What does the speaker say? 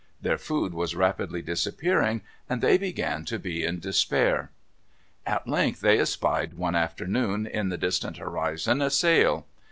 Their food was rapidly disappearing, and they began to be in despair. At length they espied, one afternoon, in the distant horizon, a sail.